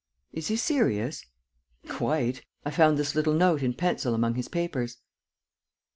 "Is he serious?" "Quite. I found this little note in pencil among his papers."